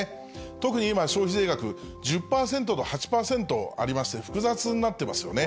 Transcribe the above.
特に今、消費税額、１０％と８％ありまして、複雑になってますよね。